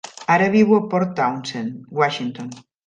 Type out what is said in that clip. Ara viu a Port Townsend, Washington.